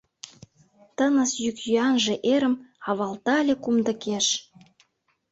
Тыныс йӱк-йӱанже эрым Авалтале кумдыкеш.